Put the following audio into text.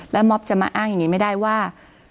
แล้วมอบจะมาอ้างอย่างนี้ไม่ได้ว่า